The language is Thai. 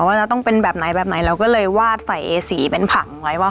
ว่าจะต้องเป็นแบบไหนแบบไหนเราก็เลยวาดใส่เอสีเป็นผังไว้ว่า